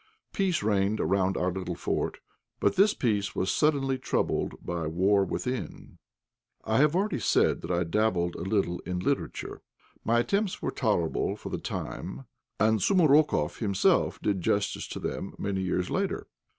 Peace reigned around our little fort. But this peace was suddenly troubled by war within. I have already said I dabbled a little in literature. My attempts were tolerable for the time, and Soumarokoff himself did justice to them many years later.